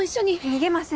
逃げません。